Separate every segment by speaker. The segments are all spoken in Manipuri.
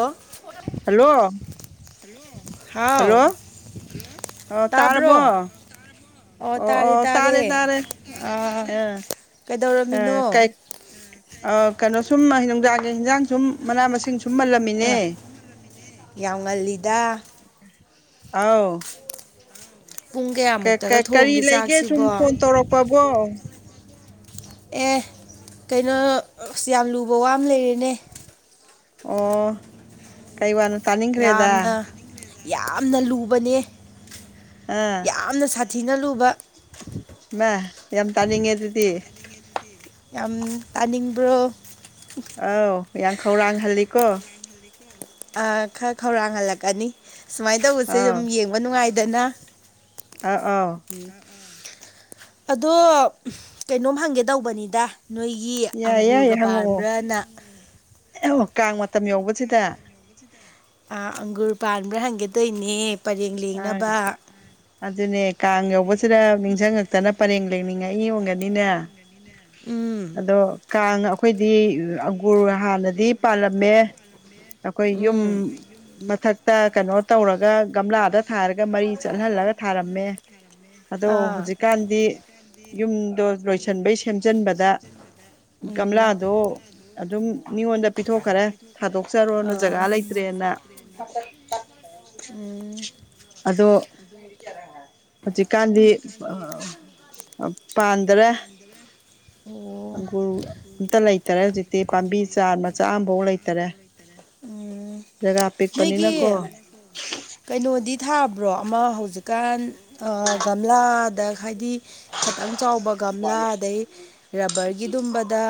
Speaker 1: ꯑꯣ
Speaker 2: ꯍꯜꯂꯣ
Speaker 1: ꯍꯥꯎ
Speaker 2: ꯍꯜꯂꯣ ꯑꯣ ꯇꯥꯔꯕꯣ
Speaker 1: ꯇꯥꯕ꯭ꯔꯣ
Speaker 2: ꯑꯣ ꯑꯣ ꯇꯥꯔꯦ ꯇꯥꯔꯦ
Speaker 1: ꯑ
Speaker 2: ꯑ ꯑ
Speaker 1: ꯀꯩꯗꯧꯔꯝꯃꯤꯅꯣ
Speaker 2: ꯀꯩ ꯑ ꯀꯩꯅꯣ ꯁꯨꯝ ꯅꯨꯡꯗꯥꯥꯒꯤ ꯍꯤꯟꯖꯥꯡ ꯁꯨꯝ ꯃꯅꯥ ꯃꯁꯤꯡ ꯁꯨꯝꯃꯜꯂꯝꯃꯤꯅꯦ
Speaker 1: ꯑꯦꯃꯥ ꯌꯥꯝ ꯉꯜꯂꯤꯗ
Speaker 2: ꯑꯧ
Speaker 1: ꯄꯨꯡ
Speaker 2: ꯀꯩ
Speaker 1: ꯀꯌꯥꯃꯨꯛꯇꯒ
Speaker 2: ꯀꯩ ꯀꯔꯤ
Speaker 1: ꯊꯣꯡꯒꯦ
Speaker 2: ꯂꯩꯒꯦ ꯁꯨꯝ
Speaker 1: ꯆꯥꯛꯁꯤꯕꯣ
Speaker 2: ꯐꯣꯟ ꯇꯧꯔꯛꯄꯕꯣ
Speaker 1: ꯑꯦ ꯀꯩꯅꯣ ꯑꯁ ꯌꯥꯝ ꯂꯨꯕ ꯋꯥ ꯑꯃ ꯂꯩꯔꯦꯅꯦ
Speaker 2: ꯑꯣ ꯀꯩ ꯋꯥꯅꯣ ꯇꯥꯅꯤꯡꯈ꯭ꯔꯦꯗ
Speaker 1: ꯌꯥꯝꯅ ꯌꯥꯝꯅ ꯂꯨꯕꯅꯦ
Speaker 2: ꯑꯥ
Speaker 1: ꯌꯥꯝꯅ ꯁꯥ ꯊꯤꯅ ꯂꯨꯕ
Speaker 2: ꯃ ꯌꯥꯝ ꯇꯥꯅꯤꯡꯉꯦ ꯑꯗꯨꯗꯤ
Speaker 1: ꯌꯥꯝ ꯇꯥꯅꯤꯡꯕ꯭ꯔꯣ
Speaker 2: ꯑꯧ ꯌꯥꯝ ꯈꯧꯔꯥꯡꯍꯜꯂꯤꯀꯣ
Speaker 1: ꯑ ꯈꯔ ꯈꯧꯔꯥꯡꯍꯜꯂꯛꯀꯅꯤ ꯁꯨꯃꯥꯏ ꯇꯧꯕꯁꯦ
Speaker 2: ꯑꯧ
Speaker 1: ꯑꯗꯨꯝ ꯌꯦꯡꯕ ꯅꯨꯡꯉꯥꯏꯗꯅ
Speaker 2: ꯑꯥ ꯑꯣ
Speaker 1: ꯑꯗꯣ ꯀꯩꯅꯣꯝ ꯍꯪꯒꯦ ꯇꯧꯕꯅꯤꯗ ꯅꯣꯏꯒꯤ
Speaker 2: ꯌꯥꯏ ꯌꯥꯏ
Speaker 1: ꯑꯪꯒꯨꯔꯒ
Speaker 2: ꯍꯪꯉꯛꯑꯣ
Speaker 1: ꯄꯥꯟꯕ꯭ꯔꯥꯅ
Speaker 2: [unintelligible] ꯀꯥꯡ ꯃꯇꯝ ꯌꯧꯕꯁꯤꯗ
Speaker 1: ꯑꯥ ꯑꯪꯒꯨꯔ ꯄꯥꯟꯕ꯭ꯔꯥ ꯍꯟꯒꯦꯇꯧꯅꯦ ꯄꯔꯦꯡ
Speaker 2: ꯑꯪ
Speaker 1: ꯂꯦꯡꯅꯕ
Speaker 2: ꯑꯗꯨꯅꯦ ꯀꯥꯡ ꯌꯧꯕꯁꯤꯗ ꯅꯤꯡꯖꯡꯉꯛꯇꯅ ꯄꯔꯦꯡ ꯂꯦꯡꯅꯤꯡꯉꯛꯏ ꯑꯣꯏꯝꯒꯅꯤꯅꯦ
Speaker 1: ꯎꯝ
Speaker 2: ꯑꯗꯣ ꯀꯥꯡ ꯑꯈꯣꯏꯗꯤ ꯑꯪꯒꯨꯔ ꯍꯥꯟꯅꯗꯤ ꯄꯥꯜꯂꯝꯃꯦ ꯑꯈꯣꯏ ꯌꯨꯝ
Speaker 1: ꯎꯝ
Speaker 2: ꯃꯊꯛꯇ ꯀꯩꯅꯣ ꯇꯧꯔꯒ ꯒꯝꯂꯥ ꯗ ꯊꯥꯔꯒ ꯃꯔꯤ ꯆꯠꯍꯜꯂꯒ ꯊꯥꯔꯝꯃꯦ ꯑꯗꯣ
Speaker 1: ꯑꯥ
Speaker 2: ꯍꯧꯖꯤꯛꯀꯥꯟꯗꯤ ꯌꯨꯝꯗꯣ ꯂꯣꯏ ꯁꯟꯕꯩ ꯁꯦꯝꯖꯟꯕꯗ
Speaker 1: ꯎꯝ
Speaker 2: ꯒꯝꯂꯥꯗꯣ ꯑꯗꯨꯝ ꯃꯤꯉꯣꯟꯗ ꯄꯤꯊꯣꯛꯈꯔꯦ ꯊꯥꯗꯣꯛꯆꯔꯣꯅ ꯖꯒꯥ
Speaker 1: ꯑꯥ
Speaker 2: ꯂꯩꯇ꯭ꯔꯦꯅ
Speaker 1: ꯎꯝ
Speaker 2: ꯑꯗꯣ ꯍꯨꯖꯤꯛꯀꯥꯟꯗꯤ ꯑ ꯄꯥꯟꯗꯔꯦ
Speaker 1: ꯑꯣ
Speaker 2: ꯑꯪꯒꯨꯔ ꯑꯝꯇ ꯂꯩꯇꯔꯦ ꯍꯧꯖꯤꯛꯇꯤ ꯄꯥꯝꯕꯤ ꯆꯥ ꯃꯆꯥ ꯑꯝ__
Speaker 1: ꯎꯝ
Speaker 2: ꯖꯒꯥ
Speaker 1: ꯅꯣꯏꯒꯤ
Speaker 2: ꯄꯤꯛꯄꯅꯤꯅꯀꯣ
Speaker 1: ꯀꯩꯅꯣꯗꯤ ꯊꯥꯕ꯭ꯔꯣ ꯑꯃ ꯍꯧꯖꯤꯛꯀꯥꯟ ꯑ ꯒꯝꯂꯥꯗ ꯍꯥꯏꯗꯤ ꯈꯇꯪ ꯆꯥꯎꯕ ꯒꯝꯂꯥ ꯑꯗꯩ ꯔꯕꯔꯒꯤꯗꯨꯝꯕꯗ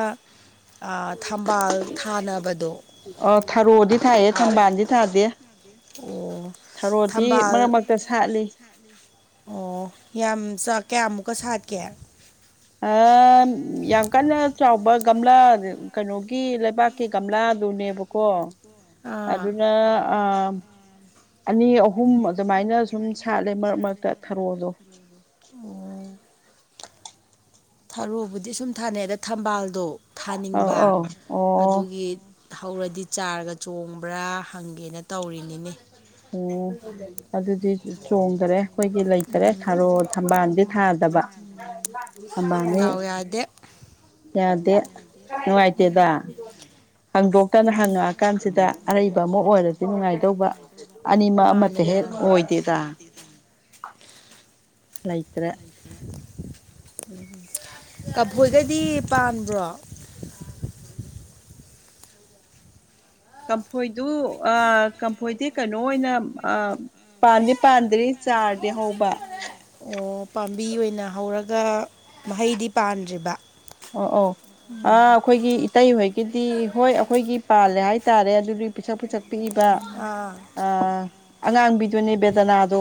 Speaker 1: ꯑ ꯊꯝꯕꯥꯜ ꯊꯥꯅꯕꯗꯣ
Speaker 2: ꯑꯣ ꯊꯔꯣꯗꯤ ꯊꯥꯏꯌꯦ ꯊꯝꯕꯥꯟꯗꯤ ꯊꯥꯗꯦ
Speaker 1: ꯑꯣ
Speaker 2: ꯊꯔꯣꯗꯤ
Speaker 1: ꯊꯝꯕꯥꯜ
Speaker 2: ꯃꯔꯛ ꯃꯔꯛꯇ ꯁꯥꯠꯂꯤ
Speaker 1: ꯑꯣ ꯌꯥꯝ ꯆꯥꯛ ꯀꯌꯥꯃꯨꯛꯀ ꯁꯥꯠꯀꯦ
Speaker 2: ꯑ ꯌꯥꯝ ꯀꯟꯅ ꯆꯥꯎꯕ ꯒꯝꯂꯥ ꯀꯩꯅꯣꯒꯤ ꯂꯩꯕꯥꯛꯀꯤ ꯒꯝꯂꯥꯗꯨꯅꯦꯕꯀꯣ
Speaker 1: ꯑꯥ
Speaker 2: ꯑꯗꯨꯅ ꯑ ꯑꯅꯤ ꯑꯍꯨꯝ ꯑꯗꯨꯃꯥꯏꯅ ꯁꯨꯝ ꯁꯥꯠꯂꯦ ꯃꯔꯛ ꯃꯔꯛꯇ ꯊꯔꯣꯗꯣ
Speaker 1: ꯑꯣ ꯊꯔꯨꯕꯨꯗꯤ ꯁꯨꯝ ꯊꯥꯅꯩ ꯑꯗ ꯊꯝꯕꯥꯜꯗꯣ
Speaker 2: ꯑꯧ ꯑꯧ ꯑꯣ
Speaker 1: ꯊꯧꯔꯗꯤ ꯆꯥꯔꯒ ꯆꯣꯡꯕ꯭ꯔꯥ ꯍꯪꯒꯦꯅ ꯇꯧꯔꯤꯅꯤꯅꯦ
Speaker 2: ꯑꯣ ꯑꯗꯨꯗꯤ ꯆꯣꯡꯗꯔꯦ ꯑꯩꯈꯣꯏꯒꯤ ꯂꯩꯇꯔꯦ ꯊꯥꯔꯣ ꯊꯝꯕꯥꯜꯗꯤ ꯊꯥꯗꯕ [inaudible]
Speaker 1: ꯗꯥꯎ ꯌꯥꯗꯦ
Speaker 2: ꯌꯥꯗꯦ ꯅꯨꯡꯥꯏꯇꯦꯗ ꯍꯪꯗꯣꯛꯇꯅ ꯍꯪꯉꯛꯑꯀꯥꯟꯁꯤꯗ ꯑꯔꯩꯕ ꯑꯃ ꯑꯣꯏꯔꯗꯤ ꯅꯨꯡꯉꯥꯏꯗꯧꯕ ꯑꯅꯤꯃꯛ
Speaker 1: ꯃꯥꯅꯦ
Speaker 2: ꯑꯃꯇ ꯍꯦꯛ
Speaker 1: ꯃꯥꯅꯦ
Speaker 2: ꯑꯣꯏꯗꯦꯗ ꯂꯩꯇ꯭ꯔꯦ
Speaker 1: ꯀꯐꯣꯏꯒꯗꯤ ꯄꯥꯟꯕ꯭ꯔꯣ
Speaker 2: ꯀꯝꯐꯣꯏꯗꯨ ꯀꯝꯐꯣꯏꯗꯤ ꯀꯩꯅꯣ ꯑꯣꯏꯅ ꯄꯥꯟꯗꯤ ꯄꯥꯟꯗ꯭ꯔꯤ ꯆꯥꯔꯗꯤ ꯍꯧꯕ
Speaker 1: ꯑꯣ ꯄꯥꯝꯕꯤ ꯑꯣꯏꯅ ꯍꯧꯔꯒ ꯃꯍꯩꯗꯤ ꯄꯥꯟꯗ꯭ꯔꯤꯕ
Speaker 2: ꯑꯣ ꯑꯣ ꯑ ꯑꯈꯣꯏꯒꯤ ꯏꯇꯩꯍꯣꯏꯒꯤꯗꯤ ꯍꯣꯏ ꯑꯈꯣꯏꯒꯤ ꯄꯥꯜꯂꯦ ꯍꯥꯏꯇꯥꯔꯦ ꯑꯗꯨꯗꯤ ꯄꯤꯁꯛ ꯄꯤꯁꯛ ꯄꯤꯕ
Speaker 1: ꯑꯥ
Speaker 2: ꯑ ꯑꯉꯥꯡꯕꯤꯗꯨꯅꯦ ꯕꯦꯗꯅꯥꯗꯣ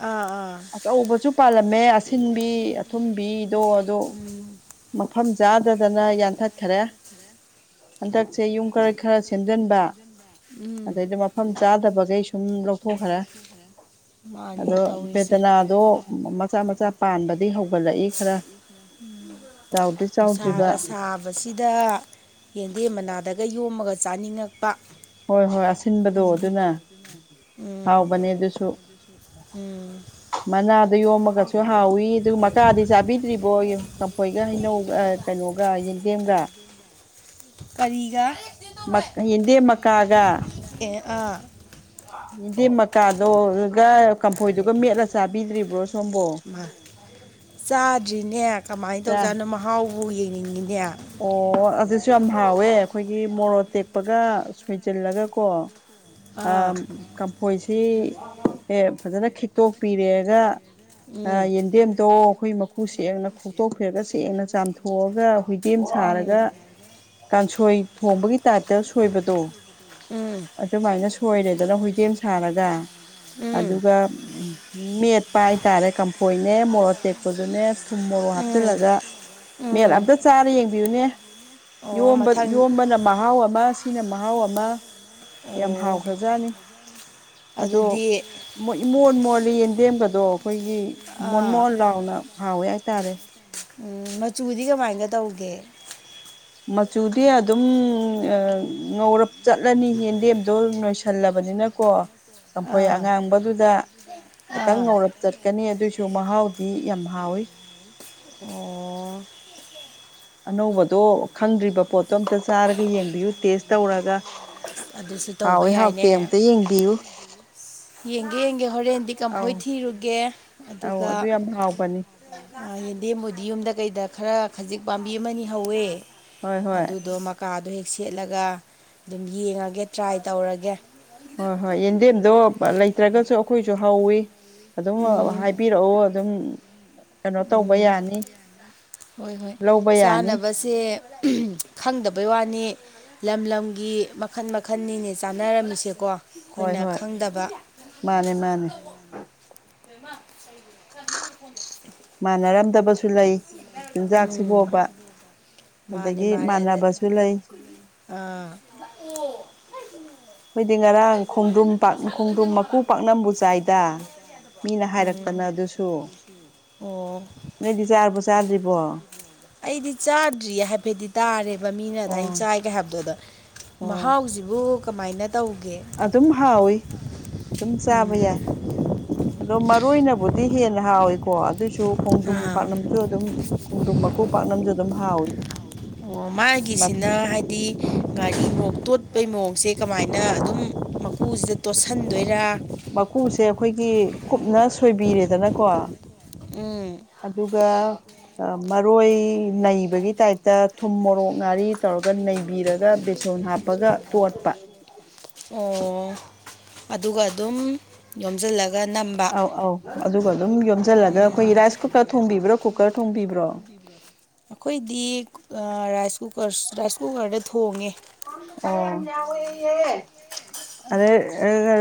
Speaker 1: ꯑꯥ ꯑꯥ
Speaker 2: ꯑꯆꯧꯕꯁꯨ ꯄꯥꯜꯂꯝꯃꯦ ꯁꯤꯟꯕꯤ ꯑꯊꯨꯝꯕꯤꯗꯣ ꯑꯗꯣ
Speaker 1: [inaudible]
Speaker 2: ꯃꯐꯝ ꯆꯥꯗꯗꯅ ꯌꯥꯟꯊꯠꯈꯔꯦ ꯍꯟꯗꯛ ꯑꯗꯩꯗꯤ ꯃꯐꯝ ꯆꯥꯗꯕꯈꯩ ꯁꯨꯝ ꯂꯧꯊꯣꯛꯈ꯭ꯔꯦ
Speaker 1: ꯎꯝ [inaudible]
Speaker 2: ꯑꯗꯣ
Speaker 1: ꯇꯧꯔꯤꯁꯦ
Speaker 2: ꯚꯦꯗꯅꯥꯗꯣ ꯃꯆꯥ ꯃꯆꯥ ꯄꯥꯟꯕꯗꯤ ꯍꯧꯒꯠꯂꯛꯏ ꯈꯔ ꯆꯥꯎꯗ꯭ꯔꯤ ꯆꯥꯎꯗ꯭ꯔꯤꯕ
Speaker 1: ꯁꯥꯒ ꯁꯥꯕ ꯗ ꯌꯦꯟꯗꯦꯝ ꯃꯅꯥꯗꯒ ꯌꯣꯝꯃꯒ ꯆꯥꯅꯤꯡꯉꯛꯄ
Speaker 2: ꯍꯣꯏ ꯍꯣꯏ ꯑꯁꯤꯟꯕꯗꯣ ꯑꯗꯨꯅ
Speaker 1: ꯎꯝ
Speaker 2: ꯍꯥꯎꯕꯅꯦ ꯑꯗꯨꯁꯨ
Speaker 1: ꯎꯝ
Speaker 2: ꯃꯅꯥꯗ ꯌꯣꯝꯃꯒꯁꯨ ꯍꯥꯎꯋꯤ ꯑꯗꯨꯒ ꯃꯀꯥꯗꯤ ꯆꯥꯕꯤꯗ꯭ꯔꯤꯕꯣ ꯀꯝꯐꯣꯏꯒ ꯍꯩꯅꯧ ꯑ ꯀꯩꯅꯣꯒ ꯌꯦꯟꯗꯦꯝꯒ
Speaker 1: ꯀꯔꯤꯒ
Speaker 2: ꯃ ꯍꯤꯟꯗꯦꯝ ꯃꯀꯥꯒ
Speaker 1: ꯑꯦ ꯑꯥ
Speaker 2: ꯌꯦꯟꯗꯦꯝ ꯃꯀꯥ ꯗꯣꯒ ꯀꯝꯐꯣꯏꯗꯨꯒ ꯃꯦꯠꯂ ꯆꯥꯕꯤꯗ꯭ꯔꯤꯕ꯭ꯔꯣ ꯁꯣꯝꯕꯣ
Speaker 1: ꯆꯥꯗ꯭ꯔꯤꯅꯦ ꯀꯃꯥꯏ
Speaker 2: ꯆꯥꯏ
Speaker 1: ꯇꯧꯖꯥꯠꯅꯣ ꯃꯍꯥꯎꯕꯨ ꯌꯦꯡꯅꯤꯡꯉꯤꯅꯦ
Speaker 2: ꯑꯣ ꯑꯗꯨꯁꯨ ꯌꯥꯝ ꯍꯥꯎꯋꯦ ꯑꯩꯈꯣꯏꯒꯤ ꯃꯣꯔꯣꯛ ꯑꯇꯦꯛꯄꯒ ꯁꯣꯏꯖꯜꯂꯒ ꯀꯣ
Speaker 1: [inaudible]
Speaker 2: ꯑꯥ ꯀꯝꯐꯣꯏꯁꯤ ꯑꯦ ꯐꯖꯅ ꯈꯤꯛꯇꯣꯛꯄꯤꯔꯦꯒ ꯑꯥ
Speaker 1: ꯎꯝ
Speaker 2: ꯌꯦꯟꯗꯦꯝꯗꯣ ꯑꯈꯣꯏ ꯃꯀꯨ ꯁꯦꯡꯅ ꯈꯣꯛꯇꯣꯛꯄꯤꯔꯒ ꯁꯦꯡꯅ ꯆꯥꯝꯊꯣꯛꯑꯒ
Speaker 1: ꯎꯝ
Speaker 2: ꯁꯥꯔꯒ ꯀꯥꯡꯁꯣꯏ ꯊꯣꯡꯕꯒꯤ ꯇꯥꯏꯞꯇ ꯁꯣꯏꯕꯗꯣ
Speaker 1: ꯎꯝ
Speaker 2: ꯑꯗꯨꯃꯥꯏꯅ ꯁꯣꯏꯔꯦꯗꯅ ꯍꯨꯏꯇꯦꯝ ꯁꯥꯔꯒ
Speaker 1: ꯎꯝ
Speaker 2: ꯑꯗꯨꯒ ꯃꯦꯠꯄ ꯍꯥꯏꯇꯥꯔꯦ ꯀꯝ ꯐꯣꯏꯅꯦ ꯃꯣꯔꯣꯛ ꯑꯇꯦꯛꯄꯗꯨꯅꯦ ꯊꯨꯝ ꯃꯣꯔꯣꯛ
Speaker 1: ꯎꯝ
Speaker 2: ꯍꯥꯞꯆꯤꯜꯂꯒ ꯃꯦꯠ
Speaker 1: ꯎꯝ
Speaker 2: ꯑꯝꯇ ꯆꯥꯔ ꯌꯦꯡꯕꯤꯌꯨꯅꯦ
Speaker 1: ꯑꯣ
Speaker 2: ꯌꯣꯝꯕ
Speaker 1: ꯃꯊꯪ
Speaker 2: ꯌꯣꯝꯕꯅ ꯃꯍꯥꯎ ꯑꯃ ꯁꯤꯅ ꯃꯍꯥꯎ ꯑꯃ ꯌꯥꯝ
Speaker 1: ꯑꯣ
Speaker 2: ꯍꯥꯎꯈ꯭ꯔꯖꯥꯠꯅꯤ ꯑꯗꯣ
Speaker 1: ꯑꯗꯨꯗꯤ
Speaker 2: ꯃꯣ ꯏꯃꯣꯟ ꯃꯣꯜꯂꯤ ꯌꯦꯟꯗꯦꯝꯒꯗꯣ ꯑꯩꯈꯣꯏꯒꯤ ꯃꯣꯟ
Speaker 1: ꯑꯥ
Speaker 2: ꯃꯣꯟ ꯂꯥꯎꯅ ꯍꯥꯎꯋꯦ ꯍꯥꯏꯇꯥꯔꯦ
Speaker 1: ꯎꯝ ꯃꯆꯨꯗꯤ ꯀꯃꯥꯏꯅ ꯇꯧꯒꯦ
Speaker 2: ꯃꯆꯨꯗꯤ ꯑꯗꯨꯝ ꯑ ꯉꯧꯔꯞ ꯆꯠꯂꯅꯤ ꯌꯦꯟꯗꯦꯝꯗꯣ ꯅꯣꯏꯁꯜꯂꯕꯅꯤꯅ ꯀꯣ ꯀꯝꯐꯣꯏ
Speaker 1: ꯑꯥ
Speaker 2: ꯑꯉꯥꯡꯕꯗꯨꯗ ꯈꯤꯇꯪ
Speaker 1: ꯑꯥ
Speaker 2: ꯉꯧꯔꯞ ꯆꯠꯀꯅꯤ ꯑꯗꯨꯑꯣꯏꯁꯨ ꯃꯍꯥꯎꯗꯤ ꯌꯥꯝ ꯍꯥꯎꯋꯤ
Speaker 1: ꯑꯣ
Speaker 2: ꯑꯅꯧꯕꯗꯣ ꯈꯪꯗ꯭ꯔꯤꯕ ꯄꯣꯠꯇꯣ ꯑꯝꯇ ꯆꯥꯔꯒ ꯌꯦꯡꯕꯤꯌꯨ ꯇꯦꯁ ꯇꯧꯔꯒ
Speaker 1: ꯑꯗꯨꯁꯨ ꯇꯧꯕ
Speaker 2: ꯍꯥꯎꯋꯤ ꯍꯥꯎꯇꯦ
Speaker 1: ꯌꯥꯏꯅꯦ
Speaker 2: ꯑꯝꯇ ꯌꯦꯡꯕꯤꯌꯨ
Speaker 1: ꯌꯦꯡꯒꯦ ꯌꯦꯡꯒꯦ ꯍꯣꯔꯦꯟꯗꯤ ꯀꯝꯐꯣꯏ
Speaker 2: ꯑꯧ
Speaker 1: ꯊꯤꯔꯨꯒꯦ
Speaker 2: ꯑꯧ
Speaker 1: ꯑꯗꯨꯒ
Speaker 2: ꯑꯗꯨ ꯌꯥꯝ ꯍꯥꯎꯕꯅꯤ
Speaker 1: ꯑ ꯌꯦꯟꯗꯦꯝꯕꯨꯗꯤ ꯌꯨꯝꯗ ꯀꯩꯗ ꯈꯔ ꯈꯖꯤꯛ ꯄꯥꯝꯕꯤ ꯑꯃꯅꯤ ꯍꯧꯋꯦ
Speaker 2: ꯍꯣꯏ ꯍꯣꯏ
Speaker 1: ꯑꯗꯨꯗꯣ ꯃꯀꯥꯗꯣ ꯍꯦꯛ ꯁꯦꯠꯂꯒ ꯑꯗꯨꯝ ꯌꯦꯡꯉꯒꯦ ꯇ꯭ꯔꯥꯏ ꯇꯧꯔꯒꯦ
Speaker 2: ꯍꯣꯏ ꯍꯣꯏ ꯌꯦꯟꯗꯦꯝꯗꯣ ꯂꯩꯇ꯭ꯔꯒꯁꯨ ꯑꯩꯈꯣꯏꯁꯨ ꯍꯧꯋꯤ ꯑꯗꯨꯝ
Speaker 1: ꯎꯝ
Speaker 2: ꯍꯥꯏꯕꯤꯔꯛꯑꯣ ꯑꯗꯨꯝ ꯀꯩꯅꯣ ꯇꯧꯕ
Speaker 1: ꯎꯝ
Speaker 2: ꯌꯥꯅꯤ ꯂꯧꯕ ꯌꯥꯅꯤ
Speaker 1: ꯇꯦ ꯈꯪꯗꯕꯩ ꯋꯥꯅꯤ ꯂꯝ ꯂꯝꯒꯤ ꯃꯈꯟ ꯃꯈꯟꯅꯤꯅꯦ ꯆꯥꯟꯅꯔꯝꯃꯤꯁꯦꯀꯣ
Speaker 2: ꯍꯣꯏ
Speaker 1: ꯑꯩꯈꯣꯏꯅ
Speaker 2: ꯍꯣꯏ
Speaker 1: ꯈꯪꯗꯕ
Speaker 2: ꯃꯥꯅꯦ ꯃꯥꯅꯦ ꯃꯥꯟꯅꯔꯝꯗꯕꯁꯨ ꯂꯩ
Speaker 1: ꯎꯝ
Speaker 2: ꯆꯤꯟꯖꯥꯛꯁꯤꯕꯣꯕ ꯑꯗꯒꯤ ꯃꯥꯟꯅꯕꯁꯨ ꯂꯩ
Speaker 1: ꯑ ꯇꯠꯅꯦ ꯀꯩꯅꯣ
Speaker 2: ꯈꯣꯏꯗꯤ ꯉꯔꯥꯡ ꯈꯣꯡꯗ꯭ꯔꯨꯝ ꯄꯥꯛ ꯈꯣꯡꯗ꯭ꯔꯨꯝ ꯃꯀꯨ ꯄꯥꯛꯅꯝꯕꯨ ꯆꯥꯏꯗ ꯃꯤꯅ
Speaker 1: ꯎꯝ
Speaker 2: ꯍꯥꯏꯔꯛꯇꯅ ꯑꯗꯨꯁꯨ
Speaker 1: ꯑꯣ
Speaker 2: ꯅꯣꯏꯗꯤ ꯆꯥꯔꯕꯣ ꯆꯥꯗ꯭ꯔꯤꯕꯣ
Speaker 1: ꯑꯩꯗꯤ ꯆꯥ ꯗ꯭ꯔꯤꯌꯦ ꯍꯥꯏꯐꯦꯠꯇꯤ ꯇꯥꯔꯦꯕ ꯃꯤꯅ ꯑꯗꯨꯃꯥꯏꯅ
Speaker 2: ꯑꯣ
Speaker 1: ꯆꯥꯏꯒꯦ ꯍꯥꯏꯕꯗꯣ ꯑꯗ
Speaker 2: ꯑꯣ
Speaker 1: ꯃꯍꯥꯎꯁꯤꯕꯨ ꯀꯃꯥꯏꯅ ꯇꯧꯒꯦ
Speaker 2: ꯑꯗꯨꯝ ꯍꯥꯎꯋꯤ ꯑꯗꯨꯝ ꯆꯥꯕ
Speaker 1: ꯎꯝ
Speaker 2: ꯌꯥꯏ ꯑꯗꯣ ꯃꯔꯣꯏꯅꯕꯨꯗꯤ ꯍꯦꯟꯅ ꯍꯥꯎꯋꯤꯀꯣ ꯑꯗꯨꯏꯁꯨ ꯈꯣꯡꯗ꯭ꯔꯨꯝ
Speaker 1: ꯑꯥ
Speaker 2: ꯄꯥꯛꯅꯝꯁꯨ ꯑꯗꯨꯝ ꯈꯣꯡꯗ꯭ꯔꯨꯝ ꯃꯀꯨ ꯄꯥꯛꯅꯝꯁꯨ ꯑꯗꯨꯝ ꯍꯥꯎꯏ
Speaker 1: ꯑꯣ ꯃꯥꯒꯤꯁꯤꯅ ꯍꯥꯏꯗꯤ ꯒꯥꯥꯔꯤ ꯃꯣꯛ ꯇꯣꯠꯄꯩ ꯃꯑꯣꯡꯁꯦ ꯀꯃꯥꯏꯅ ꯑꯗꯨꯝ ꯃꯀꯨꯁꯤꯗ ꯇꯣꯠꯁꯟꯗꯣꯏꯔꯥ
Speaker 2: ꯃꯀꯨꯁꯦ ꯑꯩꯈꯣꯏꯒꯤ ꯀꯨꯞꯅ ꯁꯣꯏꯕꯤꯔꯦꯗꯅꯀꯣ
Speaker 1: ꯎꯝ
Speaker 2: ꯑꯗꯨꯒ ꯑ ꯃꯔꯣꯏ ꯅꯩꯕꯒꯤ ꯇꯥꯏꯞꯇ ꯊꯨꯝ ꯃꯣꯔꯣꯛ ꯉꯥꯔꯤ ꯇꯧꯔꯒ ꯅꯩꯕꯤꯔꯒ ꯕꯦꯁꯣꯟ ꯍꯥꯞ ꯄꯒ ꯇꯣꯠꯄ
Speaker 1: ꯑꯣ ꯑꯗꯨꯒ ꯑꯗꯨꯝ ꯌꯣꯝꯖꯜꯂꯒ ꯅꯝ
Speaker 2: ꯑꯧ ꯑꯧ ꯑꯗꯨꯒ ꯑꯗꯨꯝ ꯌꯣꯝꯗꯜꯂꯒ ꯑꯩꯈꯣꯏ ꯔꯥꯏꯁ ꯀꯨꯀꯔ ꯊꯣꯡꯕꯤꯕ꯭ꯔꯣ ꯀꯨꯀꯔ ꯊꯣꯡꯕꯤꯕ꯭ꯔꯣ
Speaker 1: ꯑꯩꯈꯣꯏꯗꯤ ꯑ ꯔꯥꯏꯁ ꯀꯨꯀꯔ ꯔꯥꯏꯁ ꯀꯨꯀꯔꯗ ꯊꯣꯡꯉꯦ
Speaker 2: ꯑ꯭ꯣ ꯑꯣ ꯆꯥꯛ ꯌꯥꯝ ꯌꯥꯎꯋꯦꯌꯦ ꯑꯗꯩ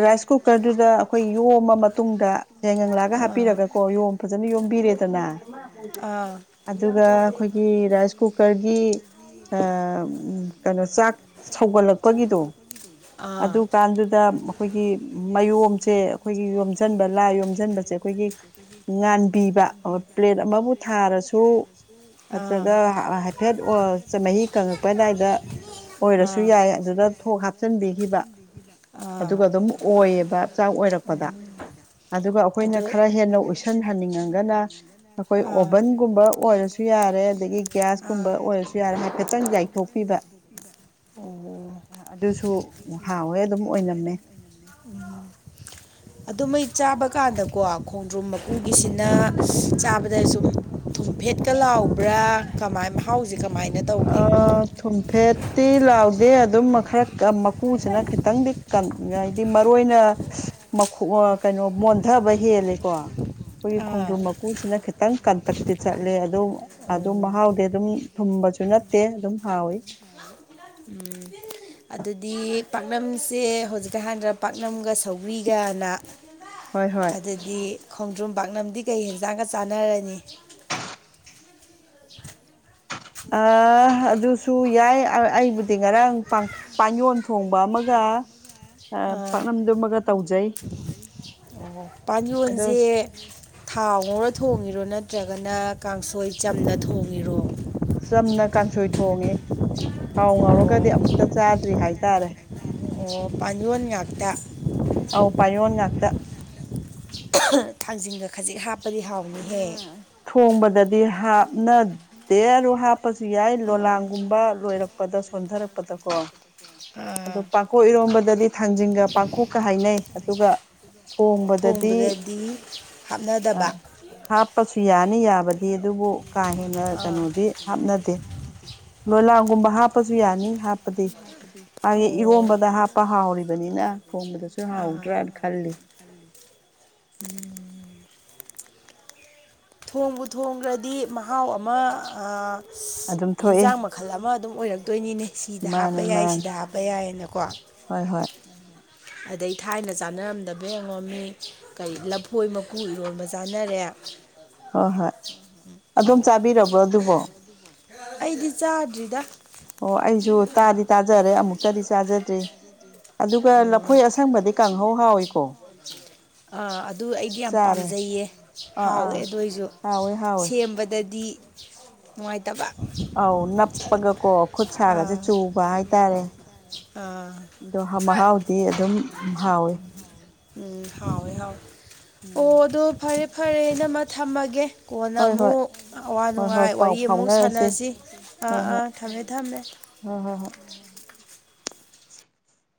Speaker 2: ꯔꯥꯏꯁ ꯀꯨꯀꯔꯗꯨꯗ ꯑꯩꯈꯣꯏ ꯌꯣꯝꯃ ꯃꯇꯨꯡꯗ ꯌꯥꯏꯉꯪ ꯂꯥꯒ
Speaker 1: ꯑꯥ
Speaker 2: ꯍꯥꯞꯄꯤꯔꯒꯀꯣ ꯌꯣꯝ ꯐꯖꯅ ꯌꯣꯝꯕꯤꯔꯦꯗꯅ
Speaker 1: ꯑꯥ
Speaker 2: ꯑꯗꯨꯒ ꯑꯈꯣꯏꯒꯤ ꯔꯥꯏꯁ ꯀꯨꯀꯔꯒꯤ ꯑ ꯀꯅꯣ ꯆꯥꯛ ꯁꯧꯒꯠꯂꯛꯄꯒꯤꯗꯣ
Speaker 1: ꯑꯥ
Speaker 2: ꯑꯗꯨꯀꯥꯟꯗꯨꯗ ꯑꯈꯣꯏꯒꯤ ꯃꯌꯣꯝꯁꯦ ꯑꯈꯣꯏꯒꯤ ꯌꯣꯝꯖꯟꯕ ꯂꯥ ꯌꯣꯝꯖꯟꯕꯁꯦ ꯑꯈꯣꯏꯒꯤ ꯉꯥꯟꯕꯤꯕ ꯄ꯭ꯂꯦꯠ ꯑꯃꯕꯨ ꯊꯥꯔꯁꯨ
Speaker 1: ꯑꯥ
Speaker 2: ꯅꯠꯇ꯭ꯔꯒ ꯍꯥꯏꯐꯦꯠ ꯑꯣ ꯆꯃꯍꯤ ꯀꯪꯉꯛꯄ ꯑꯗꯥꯏꯗ ꯑꯣꯏꯔꯁꯨ
Speaker 1: ꯑꯥ
Speaker 2: ꯌꯥꯏ ꯑꯗꯨꯗ ꯊꯣꯛ ꯍꯥꯞꯆꯤꯟꯕꯤꯈꯤꯕ
Speaker 1: ꯑꯥ
Speaker 2: ꯑꯗꯨꯒ ꯑꯗꯨꯝ ꯑꯣꯏꯌꯦꯕ ꯆꯥꯛ ꯑꯣꯏꯔꯛ ꯄꯗ ꯑꯗꯨꯒ ꯑꯈꯣꯏꯅ
Speaker 1: ꯑꯗꯨ
Speaker 2: ꯈꯔ ꯍꯦꯟꯅ ꯑꯣꯏꯁ ꯁꯟꯍꯟꯅꯤꯡꯉꯒꯅ ꯑꯈꯣꯏ
Speaker 1: ꯑꯥ
Speaker 2: ꯑꯣꯚꯟꯒꯨꯝꯕ ꯑꯣꯏꯔꯁꯨ ꯌꯥꯔꯦ ꯑꯗꯒꯤ ꯒ꯭ꯌꯥꯁ
Speaker 1: ꯑꯥ
Speaker 2: ꯀꯨꯝꯕ ꯑꯣꯏꯔꯁꯨ ꯌꯥꯔꯦ ꯍꯥꯏꯐꯦꯠꯇꯪ ꯌꯥꯏꯊꯣꯛꯄꯤꯕ
Speaker 1: ꯑꯣ
Speaker 2: ꯑꯗꯨꯁꯨ ꯍꯥꯎꯋꯦ ꯑꯗꯨꯝ ꯑꯣꯏꯅꯝꯃꯦ
Speaker 1: ꯑꯗꯨ ꯃꯩ ꯆꯥꯕ ꯀꯥꯟꯗꯀꯣ ꯈꯣꯡꯗ꯭ꯔꯨꯝ ꯃꯀꯨꯒꯤꯁꯤꯅ ꯆꯥꯕꯗ ꯁꯨꯝ ꯊꯣꯝꯐꯦꯠꯀ ꯂꯥꯎꯕ꯭ꯔꯥ ꯀꯃꯥꯏ ꯃꯍꯥꯎꯖꯦ ꯀꯃꯥꯏꯅ ꯇꯧ
Speaker 2: ꯑꯥ ꯊꯨꯝꯐꯦꯠꯇꯤ ꯂꯥꯎꯗꯦ ꯑꯗꯨꯝ ꯃ ꯈꯔ ꯀꯟ ꯃꯀꯨꯁꯤꯅ ꯈꯤꯇꯪꯗꯤ ꯅꯥꯏꯗꯤ ꯃꯔꯣꯏꯅ ꯃꯈꯨ ꯀꯅꯣ ꯃꯣꯟꯗꯕ ꯍꯦꯜꯂꯤꯀꯣ ꯈꯣꯏꯒꯤ
Speaker 1: ꯑꯥ
Speaker 2: ꯈꯣꯡꯗ꯭ꯔꯨꯝ ꯃꯀꯨꯁꯤꯅ ꯈꯤꯇꯪ ꯀꯟꯇꯛꯇꯤ ꯆꯠꯂꯦ ꯑꯗꯣ ꯑꯗꯨ ꯃꯍꯥꯎꯗꯤ ꯑꯗꯨꯝ ꯊꯨꯝꯕꯖꯨ ꯅꯠꯇꯦ ꯑꯗꯨꯝ ꯍꯥꯎꯋꯤ
Speaker 1: ꯎꯝ ꯑꯗꯨꯗꯤ ꯄꯥꯛꯅꯝꯁꯦ ꯍꯧꯖꯤꯛꯀ ꯍꯥꯗ꯭ꯔ꫰ꯄꯥꯛꯅꯝꯒ ꯁꯧꯒ꯭ꯔꯤꯒꯅ
Speaker 2: ꯍꯣꯏ ꯍꯣꯏ
Speaker 1: ꯑꯗꯨꯗꯤ ꯈꯣꯡꯗ꯭ꯔꯨꯝ ꯄꯥꯛꯅꯝꯗꯤ ꯀꯩ ꯍꯦꯟꯖꯥꯡꯒ ꯆꯥꯟꯅꯔꯅꯤ
Speaker 2: ꯑ ꯑꯗꯨꯁꯨ ꯌꯥꯏ ꯑꯩꯕꯨꯗꯤ ꯉꯔꯥꯡ ꯄꯥꯡ ꯄꯥꯟꯌꯣꯟ ꯊꯣꯡꯕ ꯑꯃꯒ
Speaker 1: ꯑꯥ
Speaker 2: ꯄꯥꯛꯅꯝꯗꯨꯃꯒ ꯇꯧꯖꯩ ꯑꯗꯣ
Speaker 1: ꯄꯥꯟꯌꯣꯟꯖꯦ ꯊꯥꯎ ꯉꯧꯔ ꯊꯣꯡꯉꯤꯔꯣ ꯅꯠꯇ꯭ꯔꯒꯅ ꯀꯥꯡꯁꯣꯏ ꯆꯝꯅ ꯊꯣꯡꯉꯤꯔꯣ
Speaker 2: ꯆꯝꯅ ꯀꯥꯡꯁꯣꯏ ꯊꯣꯡꯉꯦ ꯊꯥꯎ
Speaker 1: ꯑꯣ
Speaker 2: ꯉꯧꯔꯒꯗꯤ ꯑꯃꯨꯛꯇ ꯆꯥꯗ꯭ꯔꯤ ꯍꯥꯏꯇꯥꯔꯦ
Speaker 1: ꯑꯣ ꯄꯥꯟꯌꯣꯟ ꯉꯥꯛꯇ
Speaker 2: ꯑꯧ ꯄꯥꯌꯣꯟ ꯉꯥꯛꯇ
Speaker 1: ꯊꯥꯡꯖꯤꯡꯒ ꯈꯖꯤꯛ ꯍꯥꯞꯄꯗꯤ ꯍꯥꯎ
Speaker 2: ꯊꯣꯡꯕꯗꯗꯤ ꯍꯥꯞꯅꯗꯦ ꯑꯗꯨ ꯍꯥꯞ ꯄꯖꯨ ꯌꯥꯏ ꯂꯣꯂꯥꯡꯒꯨꯝꯕ ꯂꯣꯏꯔꯛꯄꯗ ꯁꯣꯟꯊꯔꯛꯄꯗꯀꯣ
Speaker 1: ꯑ
Speaker 2: ꯑꯗꯣ ꯄꯥꯡꯈꯣꯛ ꯏꯔꯣꯝꯕꯗꯗꯤ ꯊꯥꯡꯖꯤꯡꯒ ꯄꯥꯡꯈꯣꯛꯀ ꯍꯥꯏꯅꯩ ꯑꯗꯨꯒ
Speaker 1: ꯑꯣ ꯊꯣꯡꯕꯗꯗꯤ
Speaker 2: ꯑ
Speaker 1: ꯍꯥꯞꯅꯗꯕ
Speaker 2: ꯍꯥꯞꯄꯁꯨ ꯌꯥꯅꯤ ꯌꯥꯕꯗꯤ ꯑꯗꯨꯕꯨ ꯀꯥ ꯍꯦꯟꯅ ꯀꯅꯣꯗꯤ ꯍꯥꯞꯅꯗꯦ ꯂꯣꯂꯥꯡꯒꯨꯝꯕ ꯍꯥꯞꯄꯁꯨ ꯌꯥꯅꯤ ꯍꯥꯞꯄꯗꯤ ꯃꯥꯒꯤ
Speaker 1: ꯑꯣ
Speaker 2: ꯏꯔꯣꯝꯕꯗ ꯍꯥꯞ ꯄ ꯍꯥꯎꯔꯤꯕꯅꯤꯅ ꯊꯣꯡꯕꯗꯁꯨ ꯍꯥꯎꯗ꯭ꯔ ꯈꯜꯂꯤ
Speaker 1: ꯎꯝ ꯊꯣꯡꯕꯨ ꯊꯣꯡꯒ꯭ꯔꯗꯤ ꯃꯍꯥꯎ ꯑꯃ ꯑ
Speaker 2: ꯑꯗꯨꯝ ꯊꯣꯛꯏ
Speaker 1: ꯍꯦꯟꯖꯥꯡ ꯃꯈꯜ ꯑꯃ ꯑꯗꯨꯝ ꯑꯣꯏꯔꯛꯇꯣꯏꯅꯤꯅꯦ ꯁꯤꯗ ꯍꯥꯞꯄ
Speaker 2: ꯃꯥꯅꯤ
Speaker 1: ꯌꯥꯏ
Speaker 2: ꯃꯥꯅꯤ
Speaker 1: ꯁꯤꯗ ꯍꯥꯞꯄ ꯌꯥꯏꯅꯀꯣ
Speaker 2: ꯍꯣꯏ ꯍꯣꯏ
Speaker 1: ꯑꯗꯩ ꯊꯥꯏꯅ ꯆꯥꯅꯔꯝꯗꯕ ꯌꯦꯡꯉꯣꯝꯃꯤ ꯀꯩ ꯂꯐꯣꯏ ꯃꯀꯨ ꯏꯔꯣꯟꯕ ꯆꯥꯅꯔꯦ
Speaker 2: ꯍꯣ ꯍꯣꯏ ꯑꯗꯣꯝ ꯆꯥꯕꯤꯔꯕ꯭ꯔꯣ ꯑꯗꯨꯕꯣ
Speaker 1: ꯑꯩꯗꯤ ꯆꯥꯗ꯭ꯔꯤꯗ
Speaker 2: ꯑꯣ ꯑꯩꯁꯨ ꯇꯥꯗꯤ ꯇꯥꯖꯔꯦ ꯑꯃꯨꯛꯇꯗꯤ ꯆꯥꯖꯗ꯭ꯔꯤ ꯑꯗꯨꯒ ꯂꯐꯣꯏ ꯑꯁꯪꯕꯗꯤ ꯀꯥꯡꯍꯧ ꯍꯥꯎꯋꯤꯀꯣ
Speaker 1: ꯑ ꯑꯗꯨ ꯑꯩꯗꯤ ꯌꯥꯝ
Speaker 2: ꯆꯥꯔꯦ
Speaker 1: ꯄꯥꯝꯖꯩꯌꯦ
Speaker 2: ꯑꯥ
Speaker 1: ꯍꯥꯎꯑꯦ
Speaker 2: ꯑꯥ
Speaker 1: ꯑꯗꯨ ꯑꯣꯏꯁꯨ
Speaker 2: ꯍꯥꯎꯋꯦ ꯍꯥꯎꯋꯦ
Speaker 1: ꯁꯦꯝꯕꯗꯗꯤ ꯅꯨꯡꯉꯥꯏ
Speaker 2: ꯑꯧ ꯅꯞꯄꯒ ꯀꯣ ꯈꯨꯠ ꯁꯥꯒꯁꯦ
Speaker 1: ꯑꯥ
Speaker 2: ꯆꯨꯕ ꯍꯥꯏꯇꯥꯔꯦ
Speaker 1: ꯑꯥ
Speaker 2: ꯑꯗꯣ ꯃꯍꯥꯎꯗꯤ ꯑꯗꯨꯝ ꯍꯥꯎꯋꯦ
Speaker 1: ꯎꯝ ꯍꯥꯎꯋꯦ ꯍꯥꯎꯋꯦ ꯑꯣ
Speaker 2: ꯎꯝ
Speaker 1: ꯑꯗꯣ ꯐꯔꯦ ꯐꯔꯦ ꯏꯅꯝꯃ ꯊꯝꯃꯒꯦ ꯀꯣꯟꯅ
Speaker 2: ꯍꯣꯏ ꯍꯣꯏ
Speaker 1: ꯑꯃꯨꯛ ꯑꯋꯥ
Speaker 2: ꯍꯣꯏ ꯍꯣꯏ
Speaker 1: ꯅꯨꯡꯉꯥꯏ
Speaker 2: ꯄꯥꯎ
Speaker 1: ꯋꯥꯔꯤ ꯑꯃꯨꯛ
Speaker 2: ꯐꯥꯎꯅꯔꯁꯤ
Speaker 1: ꯁꯥꯟꯅꯁꯤ ꯑꯥ ꯑꯥ ꯊꯝꯃꯦ ꯊꯝꯃꯦ
Speaker 2: ꯍꯣ ꯍꯣ ꯍꯣ [unintelligible]